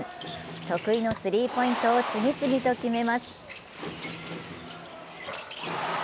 得意のスリーポイントを次々と決めます。